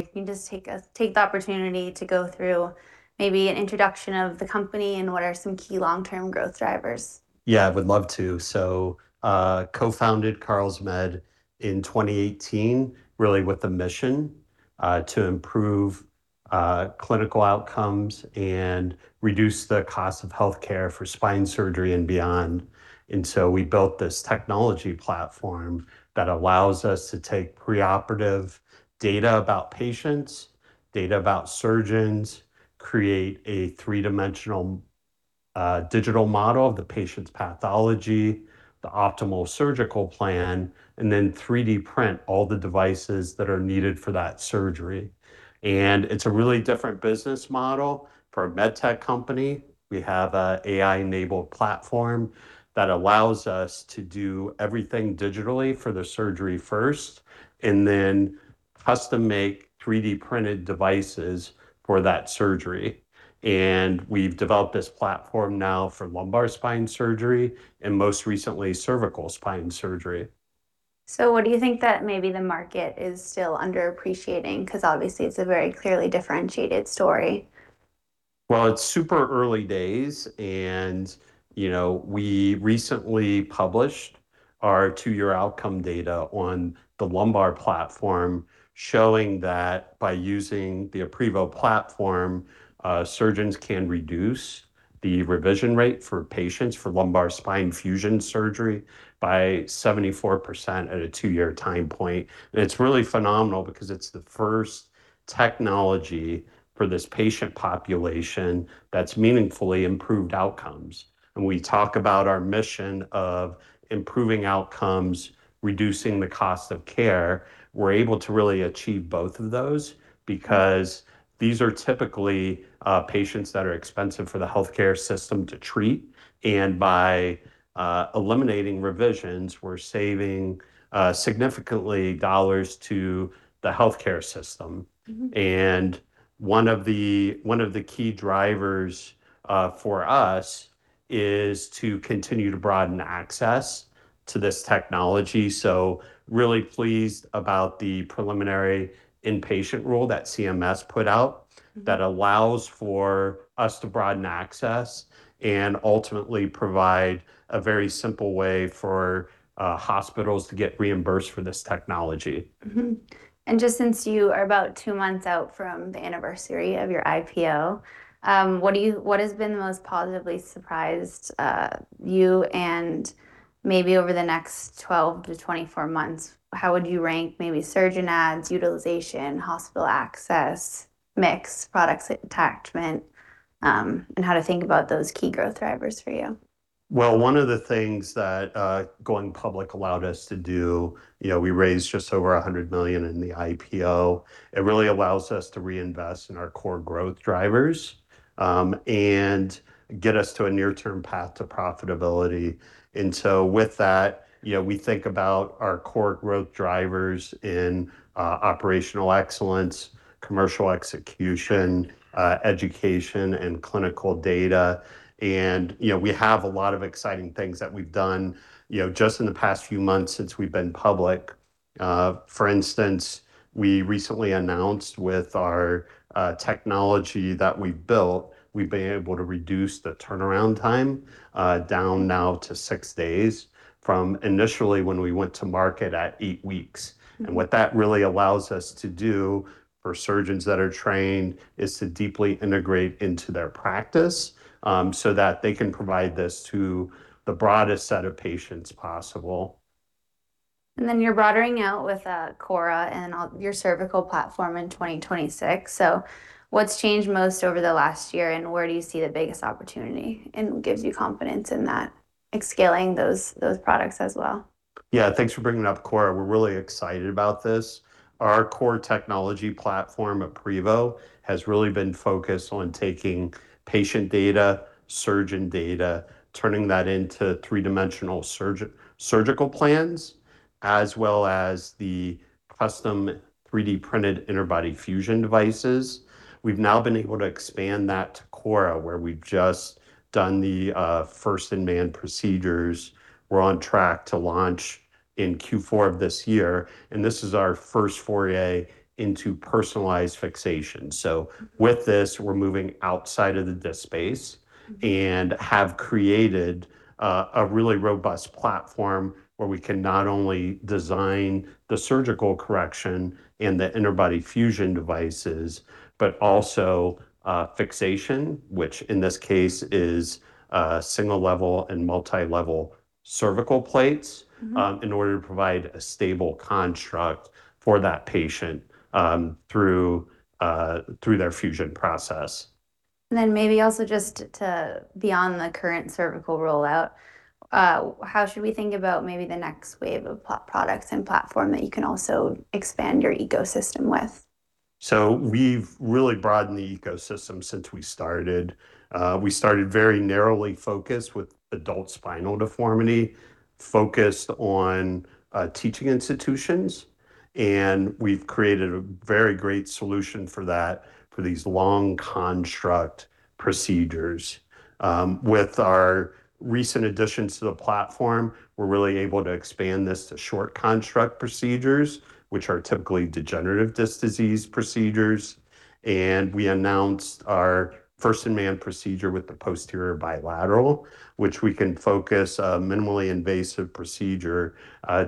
If you can just take the opportunity to go through maybe an introduction of the company and what are some key long-term growth drivers. I would love to. co-founded Carlsmed in 2018 really with a mission to improve clinical outcomes and reduce the cost of healthcare for spine surgery and beyond. We built this technology platform that allows us to take preoperative data about patients, data about surgeons, create a three-dimensional digital model of the patient's pathology, the optimal surgical plan, and then 3D print all the devices that are needed for that surgery. It's a really different business model for a med tech company. We have a AI-enabled platform that allows us to do everything digitally for the surgery first, and then custom-make 3D printed devices for that surgery. We've developed this platform now for lumbar spine surgery and most recently cervical spine surgery. What do you think that maybe the market is still underappreciating? 'Cause obviously it's a very clearly differentiated story. Well, it's super early days, you know, we recently published our two-year outcome data on the lumbar platform showing that by using the aprevo platform, surgeons can reduce the revision rate for patients for lumbar spine fusion surgery by 74% at a two-year time point. It's really phenomenal because it's the first technology for this patient population that's meaningfully improved outcomes. When we talk about our mission of improving outcomes, reducing the cost of care, we're able to really achieve both of those because these are typically patients that are expensive for the healthcare system to treat, and by eliminating revisions, we're saving significantly dollars to the healthcare system. One of the key drivers for us is to continue to broaden access to this technology. Really pleased about the preliminary inpatient rule that CMS put out. That allows for us to broaden access and ultimately provide a very simple way for hospitals to get reimbursed for this technology. Just since you are about two months out from the anniversary of your IPO, what has been the most positively surprised you and maybe over the next 12 to 24 months, how would you rank maybe surgeon adds, utilization, hospital access, mix, product attachment, how to think about those key growth drivers for you? Well, one of the things that going public allowed us to do we raised just over $100 million in the IPO. It really allows us to reinvest in our core growth drivers and get us to a near-term path to profitability. With that, we think about our core growth drivers in operational excellence, commercial execution, education and clinical data, and we have a lot of exciting things that we've done just in the past few months since we've been public. For instance, we recently announced with our technology that we've built, we've been able to reduce the turnaround time down now to six days from initially when we went to market at eight weeks. What that really allows us to do for surgeons that are trained is to deeply integrate into their practice, so that they can provide this to the broadest set of patients possible. You're broadening out with corra and your cervical platform in 2026. What's changed most over the last year, and where do you see the biggest opportunity and gives you confidence in that, like scaling those products as well? Thanks for bringing up corra. Our core technology platform, aprevo, has really been focused on taking patient data, surgeon data, turning that into three-dimensional surgical plans as well as the custom 3D printed interbody fusion devices. We've now been able to expand that to corra, where we've just done the first-in-human procedures. We're on track to launch in Q4 of this year, and this is our first foray into personalized fixation. With this, we're moving outside of the disc space. have created a really robust platform where we can not only design the surgical correction and the interbody fusion devices but also fixation, which in this case is single level and multi-level cervical plates. In order to provide a stable construct for that patient, through their fusion process. Maybe also just to beyond the current cervical rollout, how should we think about maybe the next wave of products and platform that you can also expand your ecosystem with? We've really broadened the ecosystem since we started. We started very narrowly focused with adult spinal deformity. Focused on teaching institutions, and we've created a very great solution for that for these long construct procedures. With our recent additions to the platform, we're really able to expand this to short construct procedures, which are typically degenerative disc disease procedures. We announced our first-in-human procedure with the posterior bilateral, which we can focus a minimally invasive procedure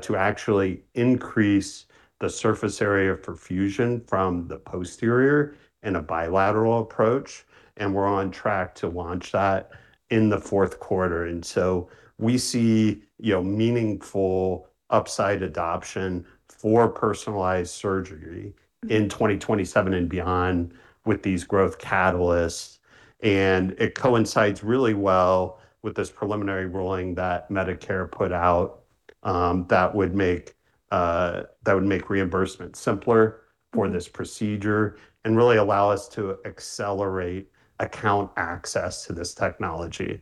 to actually increase the surface area of perfusion from the posterior in a bilateral approach, and we're on track to launch that in the fourth quarter. We see meaningful upside adoption for personalized surgery in 2027 and beyond with these growth catalysts. It coincides really well with this preliminary ruling that Medicare put out, that would make reimbursement simpler for this procedure and really allow us to accelerate account access to this technology.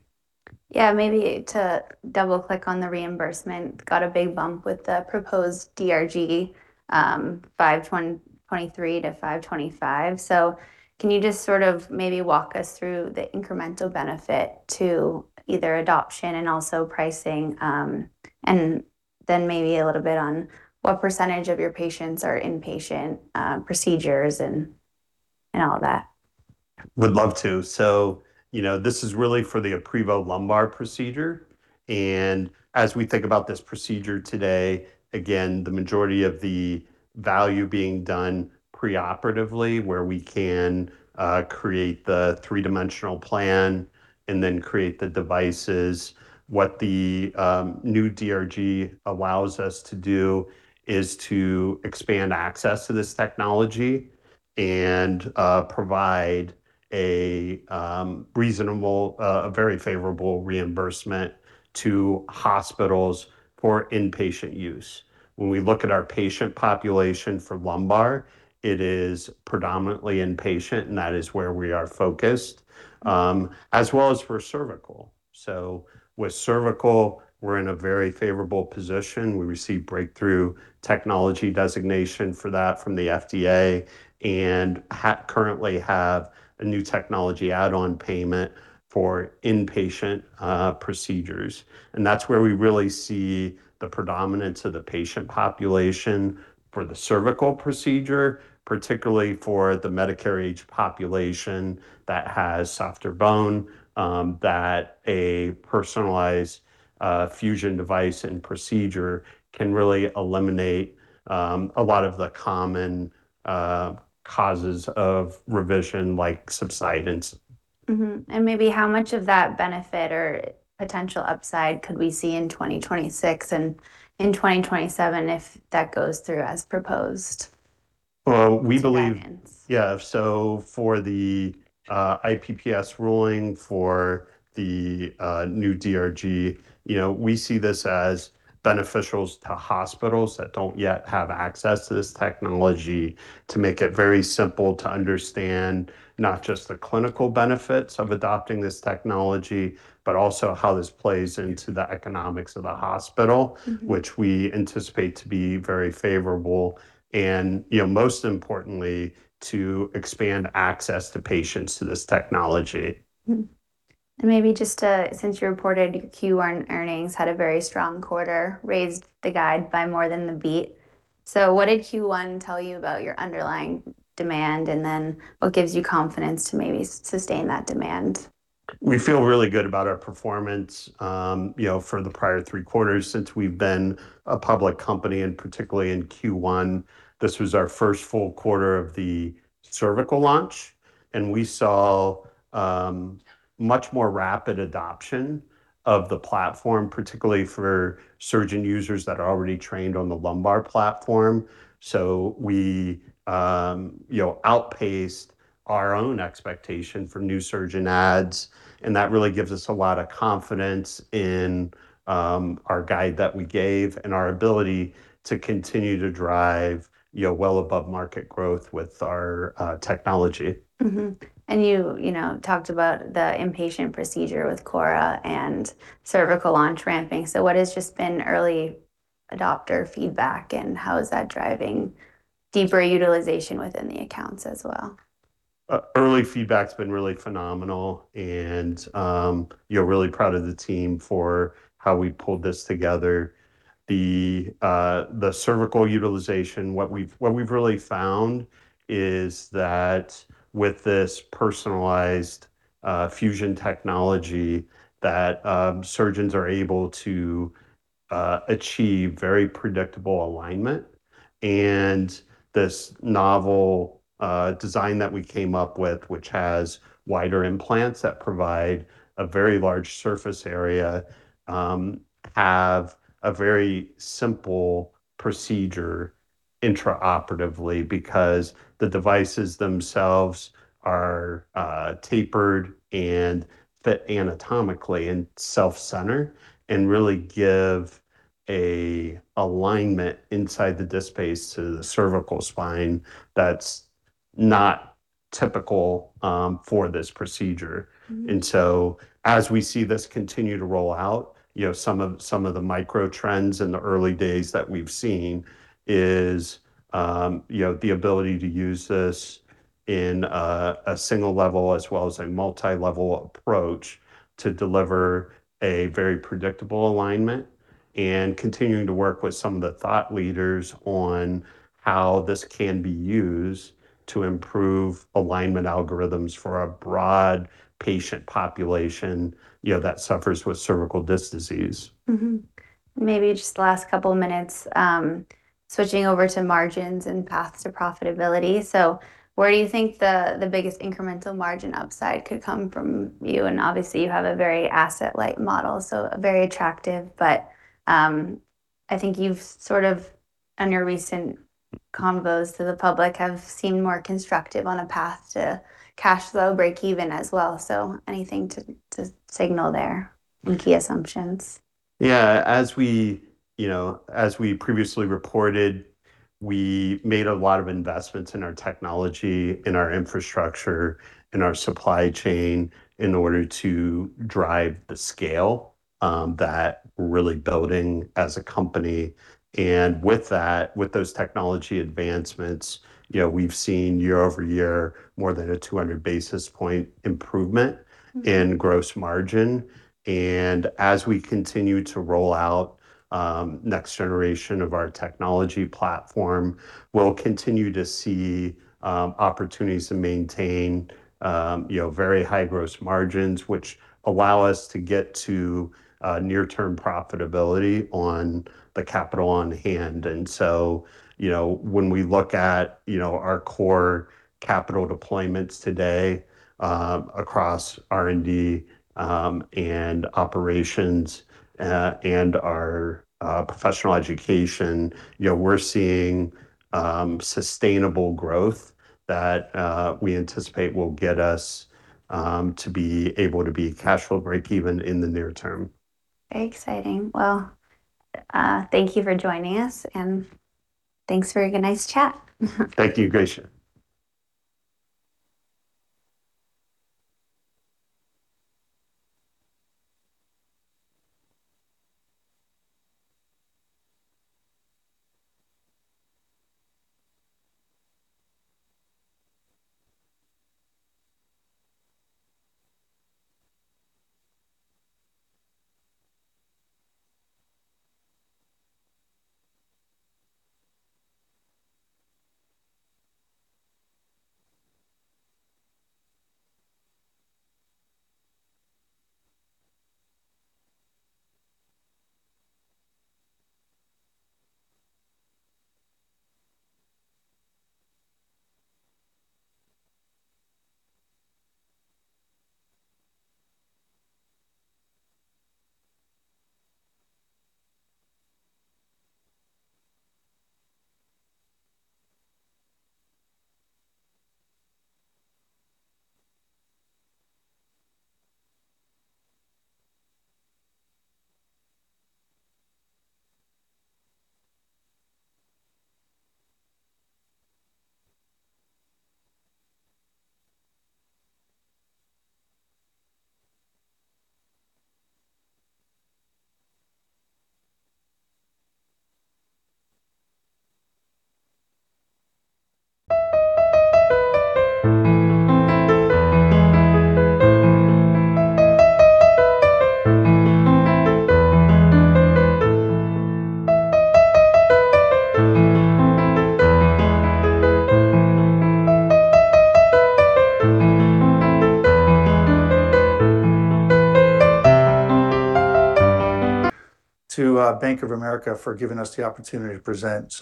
Maybe to double-click on the reimbursement, got a big bump with the proposed DRG, 523-525. Can you just sort of maybe walk us through the incremental benefit to either adoption and also pricing, and then maybe a little bit on what percentage of your patients are inpatient procedures and all that? Would love to. This is really for the aprevo lumbar procedure, and as we think about this procedure today, again, the majority of the value being done pre-operatively, where we can create the three-dimensional plan and then create the devices. What the new DRG allows us to do is to expand access to this technology and provide a very favorable reimbursement to hospitals for inpatient use. When we look at our patient population for lumbar, it is predominantly inpatient, and that is where we are focused, as well as for cervical. With cervical, we're in a very favorable position. We received Breakthrough Device designation for that from the FDA and currently have a New Technology Add-on Payment for inpatient procedures. That's where we really see the predominance of the patient population for the cervical procedure, particularly for the Medicare-age population that has softer bone, that a personalized fusion device and procedure can really eliminate a lot of the common causes of revision, like subsidence. Maybe how much of that benefit or potential upside could we see in 2026 and in 2027 if that goes through as proposed to guidance? Well, we believe. For the IPPS ruling for the new DRG, you know, we see this as beneficial to hospitals that don't yet have access to this technology to make it very simple to understand not just the clinical benefits of adopting this technology, but also how this plays into the economics of the hospital which we anticipate to be very favorable and, you know, most importantly, to expand access to patients to this technology. Since you reported your Q1 earnings had a very strong quarter, raised the guide by more than the beat. What did Q1 tell you about your underlying demand, and then what gives you confidence to maybe sustain that demand? We feel really good about our performance, you know, for the prior three quarters since we've been a public company, and particularly in Q1. This was our first full quarter of the cervical launch, and we saw much more rapid adoption of the platform, particularly for surgeon users that are already trained on the lumbar platform. We outpaced our own expectation for new surgeon adds, and that really gives us a lot of confidence in our guide that we gave and our ability to continue to drive well above market growth with our technology. You talked about the inpatient procedure with corra and cervical launch ramping. What has just been early adopter feedback, and how is that driving deeper utilization within the accounts as well? Early feedback's been really phenomenal and really proud of the team for how we pulled this together. The cervical utilization, what we've really found is that with this personalized fusion technology, that surgeons are able to achieve very predictable alignment. This novel design that we came up with, which has wider implants that provide a very large surface area, have a very simple procedure intraoperatively because the devices themselves are tapered and fit anatomically and self-center and really give a alignment inside the disc space to the cervical spine. Not typical, for this procedure. As we see this continue to roll out some of the micro trends in the early days that we've seen is the ability to use this in a single level as well as a multi-level approach to deliver a very predictable alignment and continuing to work with some of the thought leaders on how this can be used to improve alignment algorithms for a broad patient population that suffers with cervical disc disease. Maybe just the last couple minutes, switching over to margins and paths to profitability. Where do you think the biggest incremental margin upside could come from you? Obviously, you have a very asset-light model, so very attractive, but I think you've sort of on your recent convos to the public have seemed more constructive on a path to cash flow breakeven as well. Anything to signal there? Key assumptions? As we previously reported, we made a lot of investments in our technology, in our infrastructure, in our supply chain in order to drive the scale, that we're really building as a company. With that, with those technology advancements we've seen year-over-year more than a 200 basis point improvement in gross margin. As we continue to roll out, next generation of our technology platform, we'll continue to see opportunities to maintain very high gross margins, which allow us to get to near-term profitability on the capital on hand. When we look at our core capital deployments today, across R&D and operations, and our professional education we're seeing sustainable growth that we anticipate will get us to be able to be cash flow breakeven in the near term. Very exciting. Well, thank you for joining us, and thanks for a nice chat. Thank you, Gracia. To Bank of America for giving us the opportunity to present.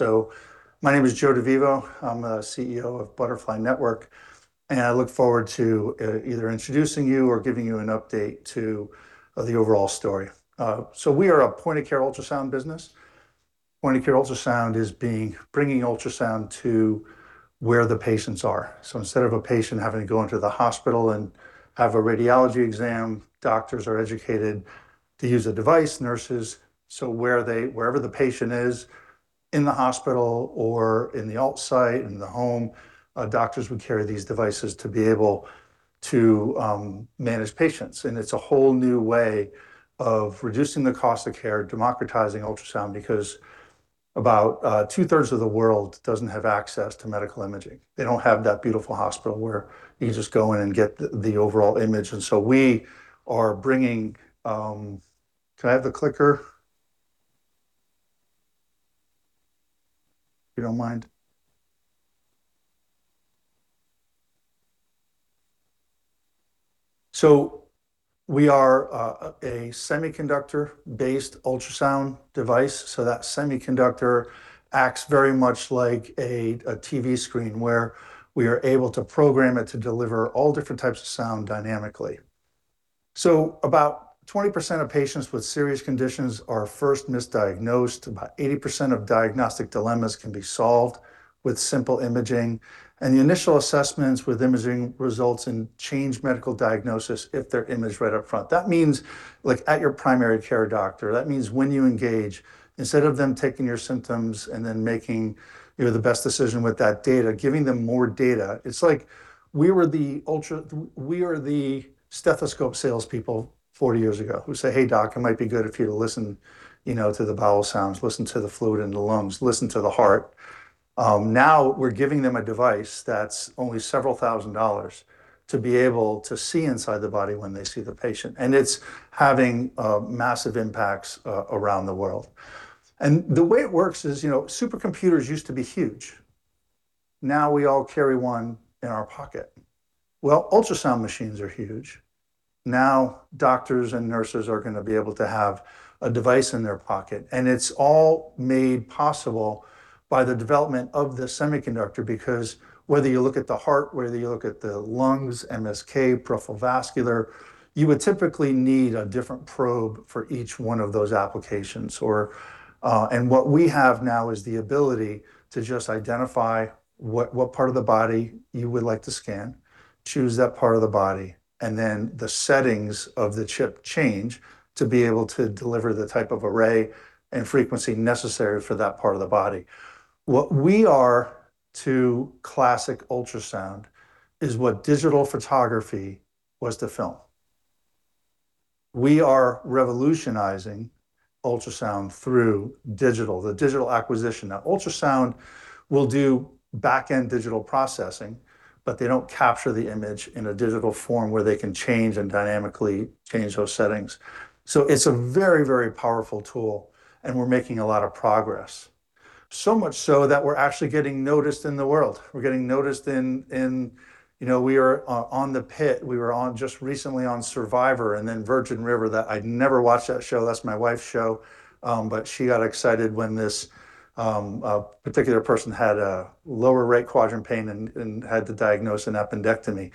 My name is Joe DeVivo. I'm CEO of Butterfly Network, and I look forward to either introducing you or giving you an update to the overall story. We are a point-of-care ultrasound business. Point-of-care ultrasound is bringing ultrasound to where the patients are. Instead of a patient having to go into the hospital and have a radiology exam, doctors are educated to use a device, nurses, wherever the patient is, in the hospital or in the alt site, in the home, doctors would carry these devices to be able to manage patients. It's a whole new way of reducing the cost of care, democratizing ultrasound, because about two-thirds of the world doesn't have access to medical imaging. They don't have that beautiful hospital where you just go in and get the overall image. We are bringing. Can I have the clicker? If you don't mind. We are a semiconductor-based ultrasound device, so that semiconductor acts very much like a TV screen, where we are able to program it to deliver all different types of sound dynamically. About 20% of patients with serious conditions are first misdiagnosed. About 80% of diagnostic dilemmas can be solved with simple imaging. The initial assessments with imaging results in changed medical diagnosis if they're imaged right up front. That means, like, at your primary care doctor. That means when you engage, instead of them taking your symptoms and then making, you know, the best decision with that data, giving them more data. It's like we were the stethoscope salespeople 40 years ago who say, "Hey, Doc, it might be good for you to listen to the bowel sounds, listen to the fluid in the lungs, listen to the heart. Now we're giving them a device that's only several thousand dollars to be able to see inside the body when they see the patient, and it's having massive impacts around the world. The way it works is, you know, supercomputers used to be huge. Now we all carry one in our pocket. Well, ultrasound machines are huge. Now doctors and nurses are gonna be able to have a device in their pocket, and it's all made possible by the development of the semiconductor because whether you look at the heart, whether you look at the lungs, MSK, peripheral vascular, you would typically need a different probe for each one of those applications, or What we have now is the ability to just identify what part of the body you would like to scan, choose that part of the body, and then the settings of the chip change to be able to deliver the type of array and frequency necessary for that part of the body. What we are to classic ultrasound is what digital photography was to film. We are revolutionizing ultrasound through digital, the digital acquisition. Ultrasound will do back-end digital processing, but they don't capture the image in a digital form where they can change and dynamically change those settings. It's a very, very powerful tool, and we're making a lot of progress. Much so that we're actually getting noticed in the world. We're getting noticed in You know, we are on The Pitt, we were on, just recently on Survivor, and then Virgin River, that I never watch that show, that's my wife's show, but she got excited when this particular person had a lower right quadrant pain and had to diagnose an appendectomy.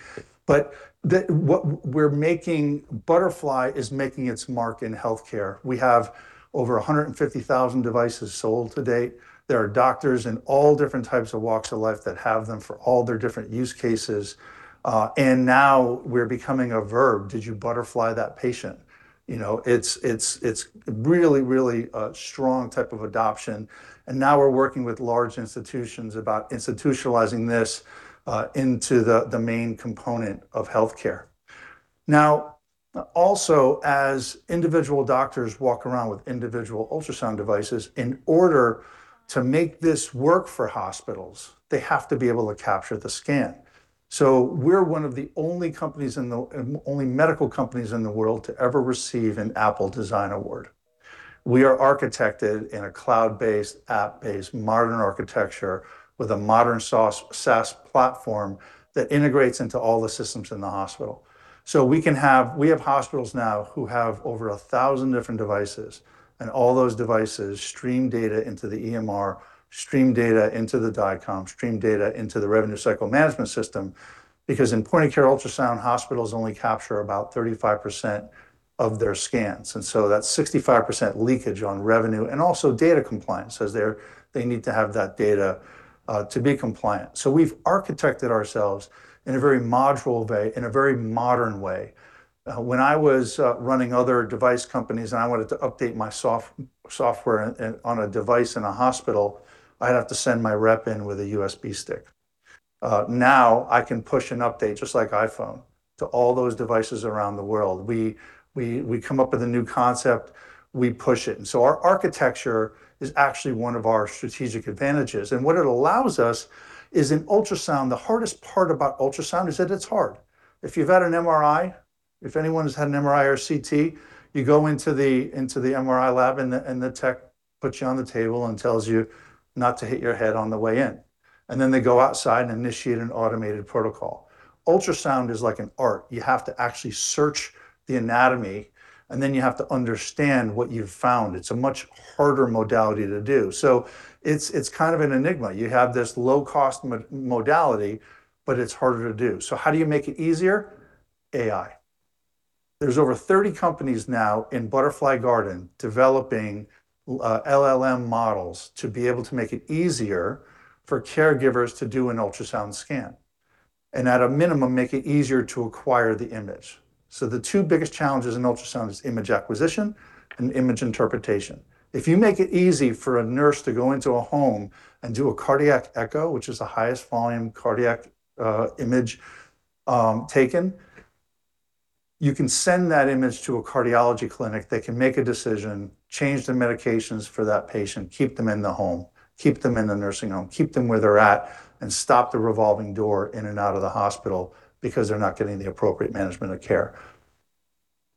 Butterfly is making its mark in healthcare. We have over 150,000 devices sold to date. There are doctors in all different types of walks of life that have them for all their different use cases. Now we're becoming a verb, "Did you Butterfly that patient?". It's really a strong type of adoption, now we're working with large institutions about institutionalizing this into the main component of healthcare. As individual doctors walk around with individual ultrasound devices, in order to make this work for hospitals, they have to be able to capture the scan. We're one of the only companies in the only medical companies in the world to ever receive an Apple Design Award. We are architected in a cloud-based, app-based modern architecture with a modern SaaS platform that integrates into all the systems in the hospital. We have hospitals now who have over 1,000 different devices, and all those devices stream data into the EMR, stream data into the DICOM, stream data into the revenue cycle management system, because in point-of-care ultrasound, hospitals only capture about 35% of their scans. That's 65% leakage on revenue, and also data compliance, as they need to have that data to be compliant. We've architected ourselves in a very modular way, in a very modern way. When I was running other device companies and I wanted to update my software on a device in a hospital, I'd have to send my rep in with a USB stick. Now I can push an update, just like iPhone, to all those devices around the world. We come up with a new concept, we push it. Our architecture is actually one of our strategic advantages. What it allows us is in ultrasound, the hardest part about ultrasound is that it's hard. If you've had an MRI, if anyone has had an MRI or a CT, you go into the MRI lab and the tech puts you on the table and tells you not to hit your head on the way in. They go outside and initiate an automated protocol. Ultrasound is like an art. You have to actually search the anatomy, and then you have to understand what you've found. It's a much harder modality to do. It's kind of an enigma. You have this low-cost modality, but it's harder to do. How do you make it easier? AI. There's over 30 companies now in Butterfly Garden developing LLM models to be able to make it easier for caregivers to do an ultrasound scan. At a minimum, make it easier to acquire the image. The two biggest challenges in ultrasound is image acquisition and image interpretation. If you make it easy for a nurse to go into a home and do a cardiac echo, which is the highest volume cardiac, image, taken, you can send that image to a cardiology clinic, they can make a decision, change the medications for that patient, keep them in the home, keep them in the nursing home, keep them where they're at, and stop the revolving door in and out of the hospital because they're not getting the appropriate management of care.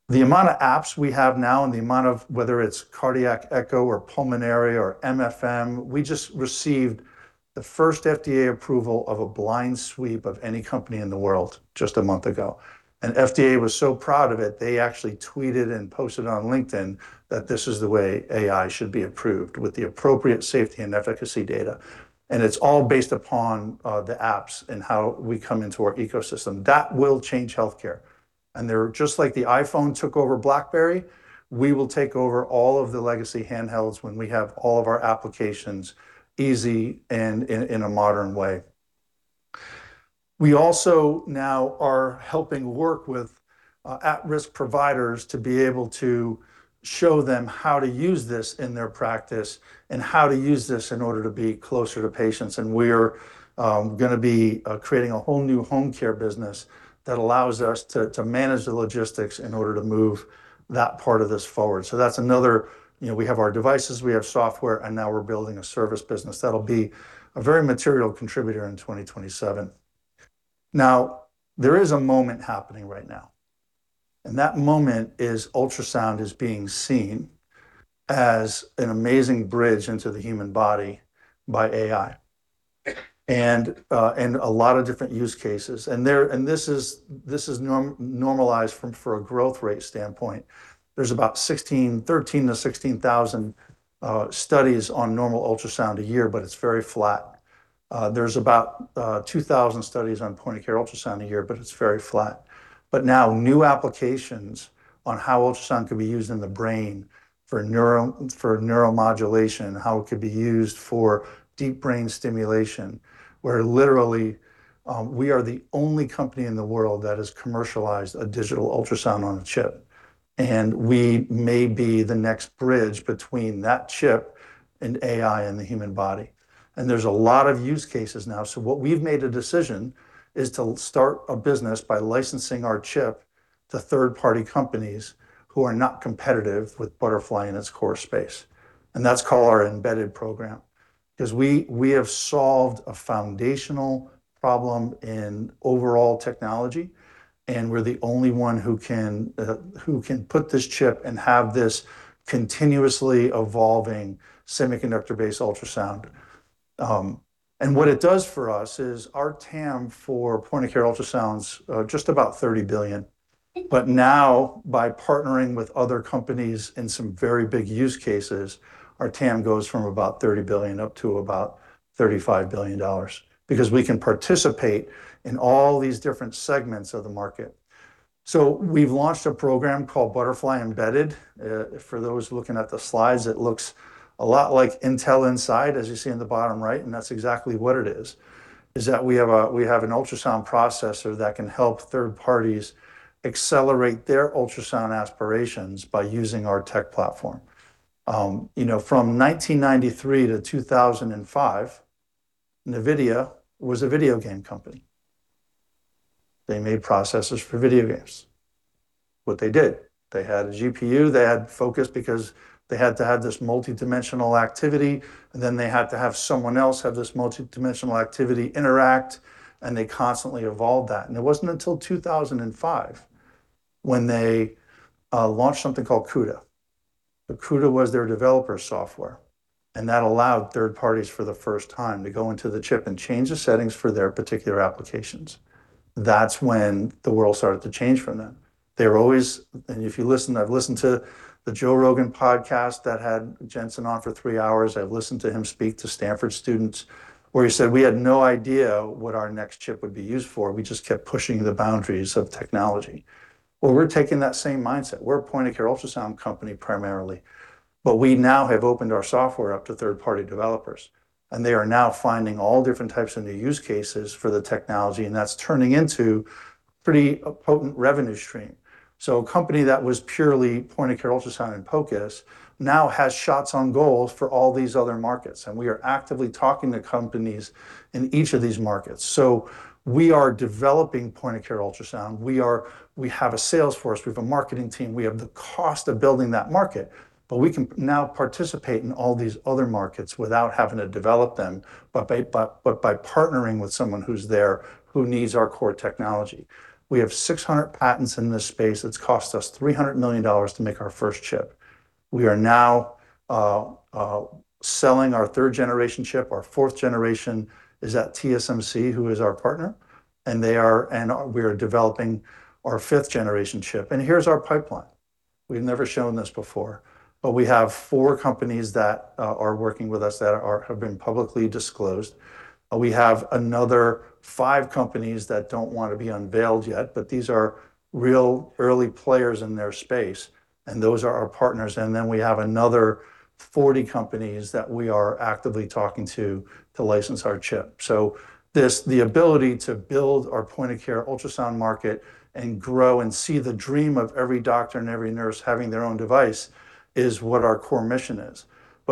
The amount of apps we have now and the amount of, whether it's cardiac echo or pulmonary or MFM, we just received the first FDA approval of a blind sweep of any company in the world just a month ago. FDA was so proud of it, they actually tweeted and posted on LinkedIn that this is the way AI should be approved with the appropriate safety and efficacy data. It's all based upon the apps and how we come into our ecosystem. That will change healthcare. They're just like the iPhone took over BlackBerry, we will take over all of the legacy handhelds when we have all of our applications easy and in a modern way. We also now are helping work with at-risk providers to be able to show them how to use this in their practice and how to use this in order to be closer to patients. We're gonna be creating a whole new home care business that allows us to manage the logistics in order to move that part of this forward. That's another, we have our devices, we have software, and now we're building a service business. That'll be a very material contributor in 2027. There is a moment happening right now, and that moment is ultrasound is being seen as an amazing bridge into the human body by AI. A lot of different use cases. This is normalized from, for a growth rate standpoint. There's about 13,000 to 16,000 studies on normal ultrasound a year, it's very flat. There's about 2,000 studies on point-of-care ultrasound a year, it's very flat. Now new applications on how ultrasound could be used in the brain for neuromodulation, how it could be used for deep brain stimulation, where literally, we are the only company in the world that has commercialized a digital ultrasound on a chip, we may be the next bridge between that chip and AI in the human body. There's a lot of use cases now. What we've made a decision is to start a business by licensing our chip to third-party companies who are not competitive with Butterfly in its core space, that's called our Embedded program. We have solved a foundational problem in overall technology, and we're the only one who can put this chip and have this continuously evolving semiconductor-based ultrasound. What it does for us is our TAM for point-of-care ultrasound's just about $30 billion. Now by partnering with other companies in some very big use cases, our TAM goes from about $30 billion up to about $35 billion, because we can participate in all these different segments of the market. We've launched a program called Butterfly Embedded. For those looking at the slides, it looks a lot like Intel Inside, as you see in the bottom right, and that's exactly what it is that we have an ultrasound processor that can help third parties accelerate their ultrasound aspirations by using our tech platform. From 1993 to 2005, NVIDIA was a video game company. They made processors for video games. What they did, they had a GPU, they had focus because they had to have this multidimensional activity, and then they had to have someone else have this multidimensional activity interact, and they constantly evolved that. It wasn't until 2005 when they launched something called CUDA. CUDA was their developer software, and that allowed third parties for the first time to go into the chip and change the settings for their particular applications. That's when the world started to change for them. If you listen, I've listened to the Joe Rogan podcast that had Jensen on for three hours. I've listened to him speak to Stanford students, where he said, "We had no idea what our next chip would be used for. We just kept pushing the boundaries of technology. We're taking that same mindset. We're a point-of-care ultrasound company primarily, we now have opened our software up to third-party developers, and they are now finding all different types of new use cases for the technology, and that's turning into pretty potent revenue stream. A company that was purely point-of-care ultrasound and POCUS now has shots on goals for all these other markets, we are actively talking to companies in each of these markets. We are developing point-of-care ultrasound. We have a sales force. We have a marketing team. We have the cost of building that market. We can now participate in all these other markets without having to develop them, but by partnering with someone who's there who needs our core technology. We have 600 patents in this space. It's cost us $300 million to make our first chip. We are now selling our third-generation chip. Our fourth generation is at TSMC, who is our partner. We are developing our fifth-generation chip. Here's our pipeline. We've never shown this before. We have four companies that are working with us that are, have been publicly disclosed. We have another five companies that don't wanna be unveiled yet. These are real early players in their space, and those are our partners. We have another 40 companies that we are actively talking to to license our chip. This, the ability to build our point-of-care ultrasound market and grow and see the dream of every doctor and every nurse having their own device is what our core mission is.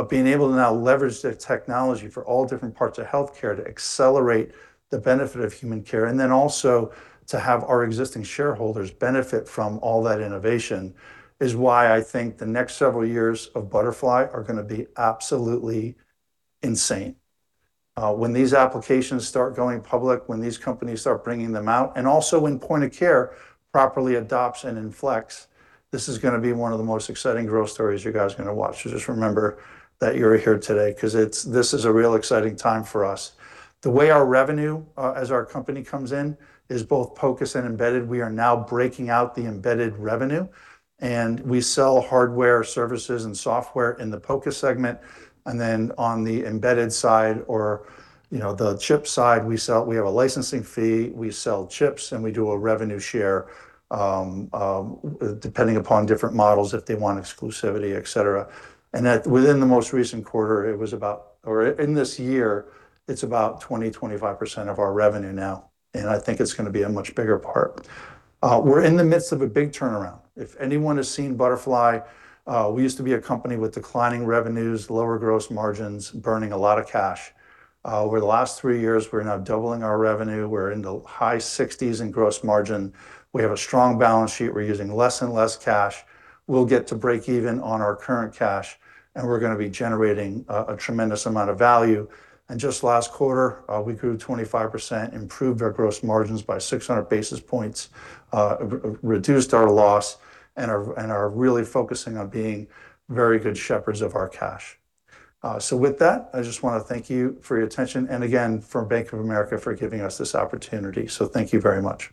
Being able to now leverage the technology for all different parts of healthcare to accelerate the benefit of human care, and then also to have our existing shareholders benefit from all that innovation, is why I think the next several years of Butterfly are gonna be absolutely insane. When these applications start going public, when these companies start bringing them out, and also when point-of-care properly adopts and inflects, this is gonna be one of the most exciting growth stories you guys are gonna watch. Just remember that you're here today, 'cause this is a real exciting time for us. The way our revenue as our company comes in, is both POCUS and Embedded. We are now breaking out the Embedded revenue. We sell hardware, services, and software in the POCUS segment. Then on the embedded side or the chip side, we have a licensing fee, we sell chips, and we do a revenue share, depending upon different models, if they want exclusivity, et cetera. In this year, it's about 20%-25% of our revenue now, and I think it's gonna be a much bigger part. We're in the midst of a big turnaround. If anyone has seen Butterfly, we used to be a company with declining revenues, lower gross margins, burning a lot of cash. Over the last three years, we're now doubling our revenue. We're in the high 60% in gross margin. We have a strong balance sheet. We're using less and less cash. We'll get to break even on our current cash, and we're gonna be generating a tremendous amount of value. Just last quarter, we grew 25%, improved our gross margins by 600 basis points, reduced our loss, and are really focusing on being very good shepherds of our cash. With that, I just wanna thank you for your attention, and again, for Bank of America for giving us this opportunity. Thank you very much.